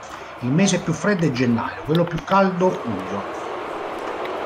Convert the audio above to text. Il mese più freddo è gennaio, quello più caldo luglio.